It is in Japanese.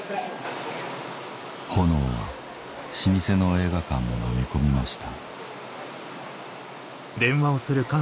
炎は老舗の映画館ものみ込みました